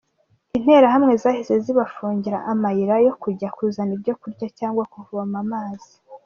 Interahamwe zahise zibafungira amayira yo kujya kuzana ibyo kurya cyangwa kuvoma amazi.